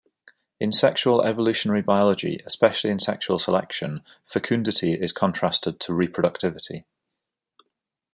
In sexual evolutionary biology, especially in sexual selection, fecundity is contrasted to reproductivity.